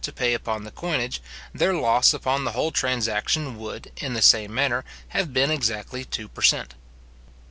to pay upon the coinage, their loss upon the whole transaction would, in the same manner, have been exactly two per cent.